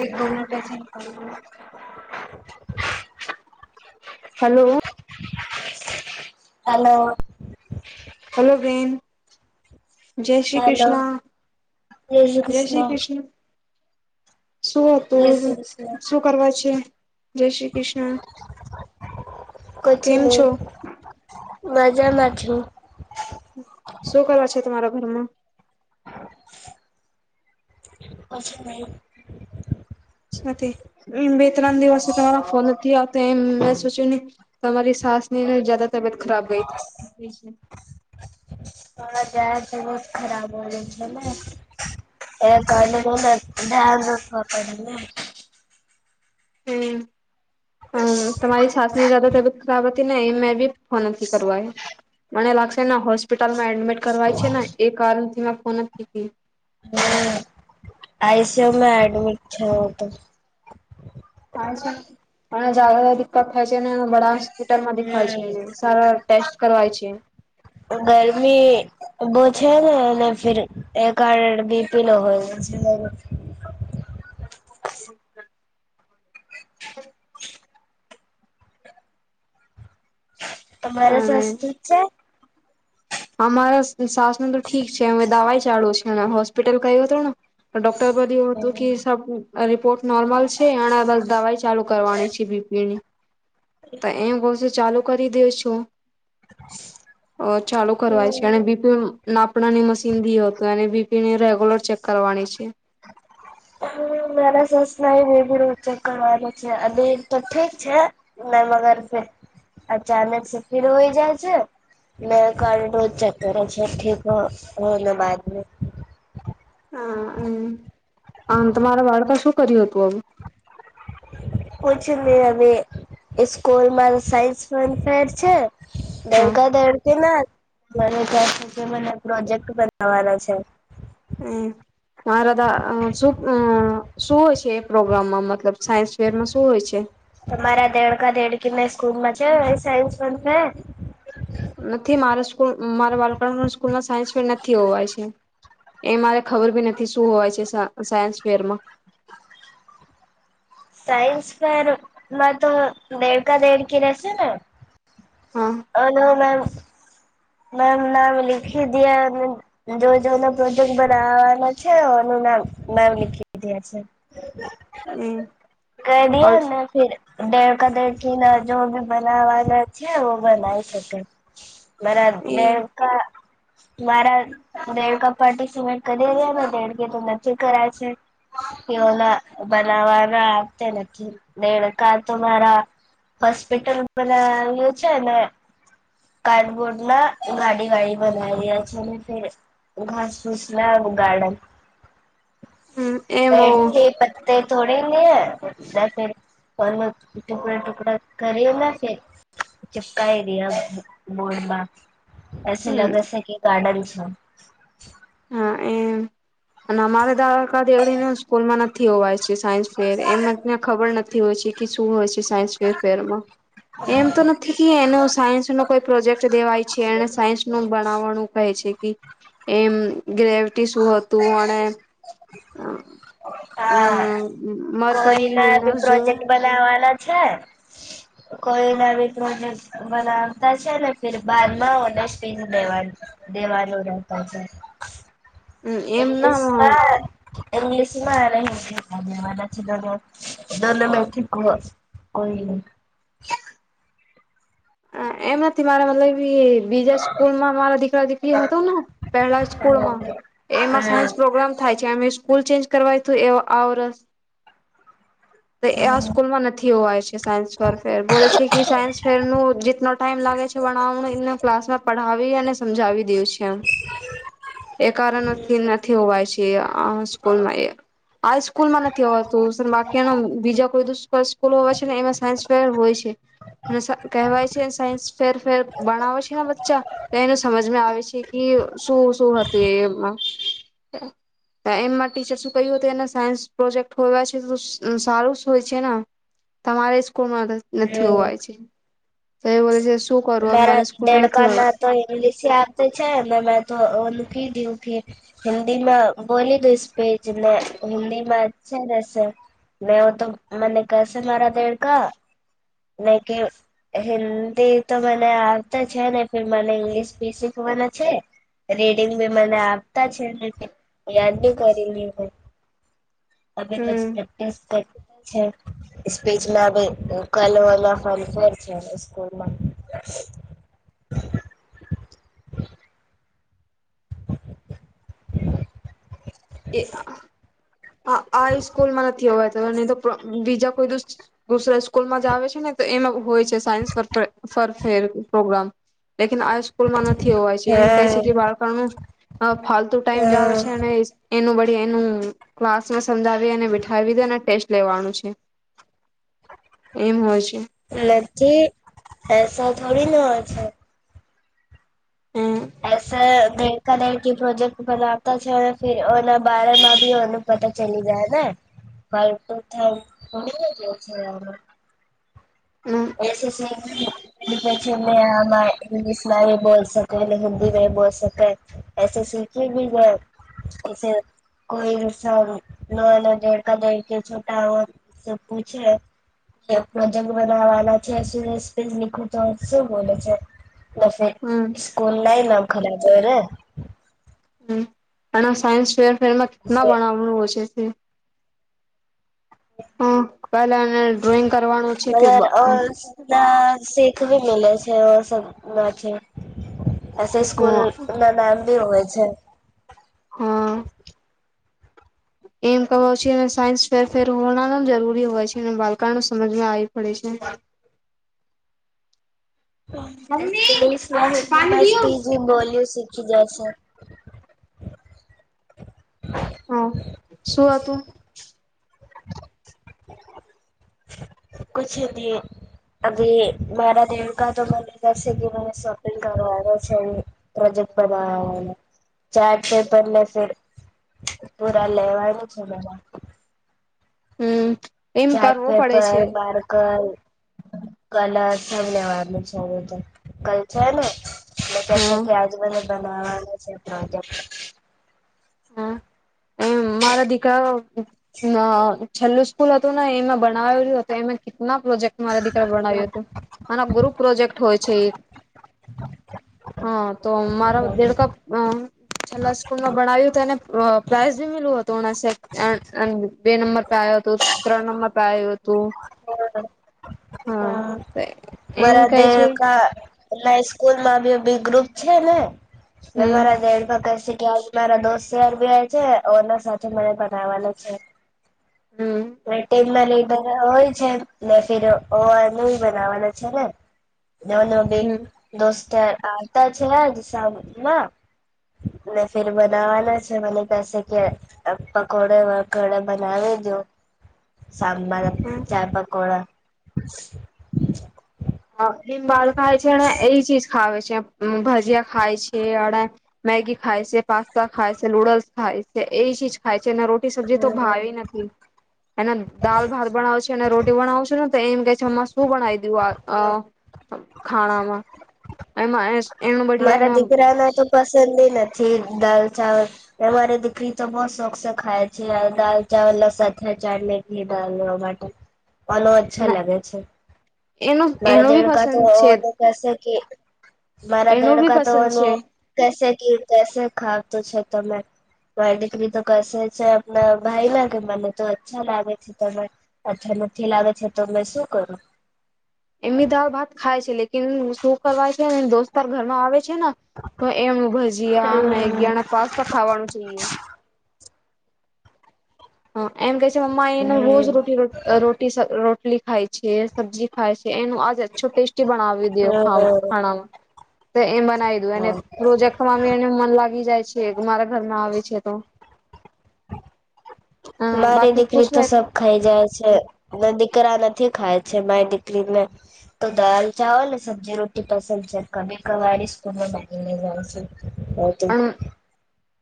એક દોનો ટટે છે નિક હલો હાલો હલો બેન જય શ્રી હેલો કૃષ્ણ જય શ્રી કૃષ્ણ શું જય હતું શ્રી કૃષ્ણ શું કરવા છે જય શ્રી કૃષ્ણ કેમ છો મજામાંછ પરમ અચછા ભાઈ બે ત્રણ દિવસે તમારા ફોન નથી આવતો એમ મેં સોચ્યું નહી તમારી સાસ ન જદા તબિયત ખરાબ ગઈ તમારા ગાય તબિયત ખરાબ કોલે એ કલે બેગ હ પડને હમમ તમારી સાસની જા તબિયત ખરાબ હતી ને એ મેં બી ફોન નથી કરવા મને લાગશે ને હોસ્પિટલમાં એડમિટ કરવાય છે ને એ કારણથી મેં ફોન નથી હમ આઈસીયુમાં એડમિટ છે તો હા છે પણ જાગ દિકકત થાય છે ને એ બાવ દેખાય છે હમ સારા ટે કરવાવાય છે ગરમી બહ છે ને અને ફર એકડ બીપી નો હોય [inaudible] તમારે અને સસ્તી જ છે અમારા શસ ન તો ઠીક છે હવે દવા છે ચાલુ છે અને હોસ્પિટલ ક હતો ને તો ડોક બધ એું હતું કે હમ સબ રિપોર્ટ નોર્મલ છે એ બ દવાઈ ચાલુ કરવાની છે બીપીની તો એમ બશે ચાલુ કરી દે છો અ ચાલુ કરવાય છે અને હમ બીપી નાપણાની મશીની હતો અને બી રેગુલર ચેક કરવાની છે. હ મેરા સાસ ન મેદી રોજ ચેક કર છે અી તો ઠીક છે ના મગર અચાનક ફીર હોય જાય છે મે ક રોજ ચેક કરે છે ઠીક હોના બાદ મ હા આ તમારા બાળકા શું કર્યું હતું હવે પૂછી લઇ હવે સ્કૂલ મા સાઈસ પનફેર છે. હા. દેડકા દેડકે ના ઘરે તં સુ મને પ્રોજેક્ટ બનાવાના છે. મારાા શું શું હોય છે એ પ્રોગ્રામમાં મતલબ સાયન્સ ફેરમાં શું હોય છે. તમારા દેડકા દેડકી ના સ્કૂલમાં છે સાયન્સ ફેર નથી મારે સ્કૂલ મારા બાળકણ સ્કૂલમાં સાયન્સ ફેર નથી હોવાય છે એ મારે ખબર બી નથી શું હોવાય છે સાયન્સ ફેરમાં સાયન્સ ફેર માં તો દેડકા દેડકી રહેશે ને હા હ ના મેમ મેમ નામ લિખી દયા જો પ્રોજેક્ટ બનાવાનો છે એનું નામ મેમ લિખી દયા છે. ક દના ફેર દેડકા દેડકી થી ના જો બી બનાવાના છે ઓ બનાવી શકે બરાબ ડેડકા મારા દેડકા પાર્ટિસિપેટ કરીેેને દેડકે તો નથી કરાય છે એઓ બનાવાના આવતા નથી દેડકા તો મારા હોસ્પિટલ બનાવ્યું છે ને કાર્ડબોર્ડ ના ગાડી વાાડી બનાઇલ છેને ફેર ઘાસ ભૂસ ના ગાર્ડન એ એમ પેડ થી પત્તૈ થોડીનેે ટુકડા ટુકડા કરી ચીપકાવી રહ બોડમાં એસે લગસ કે ગાર્ડનસ હમ. હા એમ અને અમારે દારા ક એવી ને સ્કૂલમાં નથી વાય છે સાયન્સ ફેર એમને ખબર નથી હોય છે કે શું હોય છે. સાયન્સ વેરફેરમાં એમ તો નથી કે એને સાયન્સ ન કોઈ પ્રોજેક્ટ દેવાય છે એને સાયન્સ નું બણવવાણુ કહે છે. એમ ગ્રેવિટી શું હતું અને હા હમ કોઈ મરકરી ના બી યુએનસ જો પ્રોજેક્ટ બનાવાના છે. કોઈના બી પ્રોજેકટ બનાવતા છે ને બાદમાં ઓનેસ્ડસ્ટ બિને દેવાનું રહેતા છે. એમ ઇ્ગલીશ ના માં ઇંગ્લશ વા [inaudible] દો નો મે થી ક કોઈ નઇ હ એમ નથી મારા મતલબ કી બીજા સ્કૂલમાં અમારા દીકરા દીકરી હતું ને પહેલા સ્કૂલમાં એમાં હા. સાયન્સ પ્રોગ્રામ થાય છે અમે સ્કૂલ ચેન્જ કરવાય તું એ આ વરસ તો આ સ્કૂલમાં નથી હોવાય છે સાયન્સ ફર ફેર બોલે છે કે સાયન્સ ફેર નું જેટનો ટાઈમ લાગે છે વણાવવાનું એમને ક્લાસમાં પઢાવી અને સમજાવી [inaudible] એ કારણથી નથી‌ હોવાયસે આ સ્કૂલ એ આ સ્કૂલમાં નથી હોવાતું બાકીના બીજા વધુ સ્પર્શ કોલો છે ને એમાં સાન્સ ફેર હોય છે. કહેવાય છે સાયન્સ ફેરફેર બણાવે છે ને બચ્ચા તો એને સમજમાં આવે છે કે શું શું હતું એમાં એમાં ટીચર શું કહ્યું હત એના સાયન્સ પ્રોજેક્ટ હોવા છે સારું હોય છે ને તમારે [inaudible] નથી હમ્મ. હોવાય છે. [unintelligible] મારા મારે સ્કૂલમાં નથી દેડકા હોય ના તો ઇંગ્લિશ આપતી છે ને મે તો અ મૂકી દીલકી હિન્દીમાં બોલી દેશ સ્પીચ ને હિન્દી માં અચ્છા રહેશે મેવ તો મને કશે મારા દેડકા ને કે હિન્દી તો મને આવતા છે ને મને ઈંગ્લિશ બી શીખવાના છે રીડિંગ બી મને આપતા છે ને યાદ બી કરી લ તમે રોજ હમ પ્રેક્ટિસ કર છે સ્પીચમાં બી કલવરના ફર છે સ્કૂલમાં એ હ હા આ સ્કૂલમાં નથી હોવાય નહી તો બીજા કોઈ દુસ દુસરા સ્કૂલમાં જાવે આવે છે ને તો એમાં હોય છે સાયસ ફર ફરફેર પ્રોગ્રામ લેકીન આ સ્કૂલમાં નથી હોવાય છે એમ કહે છે હા કે બાળકનું અ ફાલતુ ટાઈમ જ આવે છે હા અને એનુ બદી એનું ક્લાસમાં સમજાવી બેઠાવી દે અને ટેસ્ટ લેવાનું છે એમ હોય છે. નથી એસા થોડી ના હોય છે. હમ એસા દેડકા દેડકી પ્રોજેક્ટ બનાવતા છે ને ફીર‌ ઓને બારેમાં બી ઓનું પતા ચલી જાય ને [inaudible] [unintelligible] ને પછી મેં એમાંઈગ્લિશમાં બોલ સકે હિન્દીમાં બોલ સકે એ સીખી ભી ગય એ કોઈ ઇસ ન ન દિડકા દેડકી છટા હો પૂછે કે પ્રોજેક્ટ બનાવા છે લીખુ તો સુ બોલે છે. નફે હમ સ્કૂલ નાય ન ખલા ત્યારે પણ સાયન્સ ફેર ફેરમાં કેટલા વણાવું હોય છે. હ હ પેલા ને ડ્રોઈંગ કરવાનો છે કે બ [unintelligible] એસે સ્કૂલ હા ના ના મ બી હોય છે. હા એમ કવો છે સાયન્સ ફેરફેર ફેર હોણા જરૂરી હોય છે અને બાળકાણ સમજમાં આવી પડે છે. ઇંગ્લિશમાં મમ્મી પાણી હિન્દીમાં દિયો સ્પીચ બી બોલ્યું શીખી જાય છે. હા શું હત તું કછ અને અને ભારત દેવકા તો બને જ મને સોપિલ કરવાનો છે પ્રોજેક્ટ બનાવા ચાર્ટ પેપરે પૂરા લેવાનું છે મ હમ એમ ચાર્ટ કરવો પડે પેપર છે બર્્કર કલરનેવારનું છે કલ્ચર ને હા ત આજ મ નાળ છે પ્ર એ મારા દીકરા છેલ્લ સ્કૂલ હતું ને એમાં બનાવેલ્યું હતો એમે ના પ્રોજેક્ટ મારા દીકરા બણવ્યું હતું મારા ગુર પ્રોજેક્ટ હોય છે હા તો મારા દેડ કપ છેલ્લા સ્કૂલ માં ભણાવ્યું એને પ્રાઇઝ બી મ્યું હતું બે નંબર પે આવ્યો હતો ત્રણ નંબર પે આવ્યું હતું હા એમ મારા કઈ દેળ છે ક એ સ્કૂલ માં બ બી ગ્રુપ છે ને હમ બરા હ ભ શી ત મારા દોસ્ત યાર ભી છેના સાથે મને પણ આવવા છે હમ [inaudible] લઈ હોય છે ને ફિર ઓનું બનાવાનું છે ને નાન બે હમ દોસ્ આવતા છે જ સામાં ફેર બનાવાના છે મને કસે કે પકોડે વકોડે બનાવી દો સાંબાર હમ ચા પકોડા [inaudible] હ લિમબળ ખાય છે ને એ ચીજ ખાવે છે [inaudible] ખાય છે અડા મેગી ખાાય છે પાસ્તા ખાય છે નૂડલ્સ ખાય છે એ ચીજ ખાય રોટી સબ્જી તો હમ્મ. ભાવી નથી એને દાલ ભાત બનાવ છે અનેને રોટી બનાાવ છું ને એમ કે છેમમાં શું બણાવ દયું હ હમ્મ ખાણામાં એમાં એનું મારા બઢિયા દીકરા ના તો પસંદ નથી દાલ ચાવલ અમારી દીકરી તો બહ શોખ છે ખાય છે દાલ ચાવલ લસા ચાટલેટની ડાલવા માટે અલો અચ્છા એના લાગે છે એનું મારે એનું બી દેડકા પસંદ છે તો કેસે કે મારા એનું બી દેડકા પસંદ છે તોનું ક ઘી કસે ખાતું છે તમે મારી દીકરી તો કરસે છે આપના ભાઈ ના કે મને તો અચ્છા લાગે છે તને અચ્છા નથી લાગે છે તો મે શું કરું એમ દાર ભાત ખાય છે લેકન શું કરવાય છે દોસ્ત ાર ઘરમાં આવે છે તો એમનું ભજીયા મેગી હમ્મ અને પાસ્તા ખાવાનું છે હ એમ કે મમ્મા એને રોજ હમ્મ રો રોટી રોટલી ખાય છેી સબ્જી ખાય છે એનું આજ અ્છો ટેસ્ટી બનાવી દ હમ્મ ખાણામાં તો એમ બનાવી દ અનેને હમ્મ. રોજા ખ એને મન લાગી જાય છે મારા ઘરમાં આવે છે તો મારી બાકી કુછ દીકરી તો નહી સબ ખાઈ જાય છે દીકરી દીકરા નથી ખાય છે મારી દીકરીને તો દાલ ચાવલ ને સબ્જી રટી પસંદ છે કભી કવાળી સ્કૂલ માનીઈ જાય છે બ તો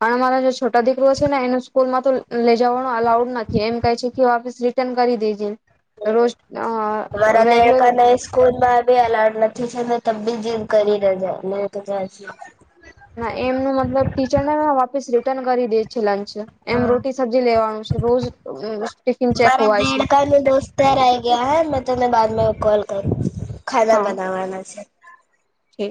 પણ અમારા જે છોટા દીકરો છે ને એને સ્કૂલ માં તો લઇ જવાનો અલાઉડ નથી એમ કહે છે કેીસ રિટર્ન કરી દેજે રોજ રેગુલર ી અલર્ટ નથી છે ત બી જી કરીનેજાય તો ત્યાં ના એમનું મતલબ ટીચર ને વાપીસ રિટર્ન કરી દે છે લંચ એમ હા રોટી સબ્જી લેવાનું રોજ ટિફિન ચેક મારે હોવાય છે દેડકા મે દોસ્ત ર રહે ગયા હ તને બાદ મે કોલ કર ખાવા હા બનાવાના છે છે